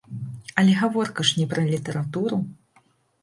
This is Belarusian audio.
Але гаворка ж не пра літаратуру.